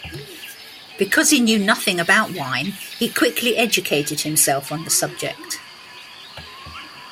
Because he knew nothing about wine, he quickly educated himself on the subject.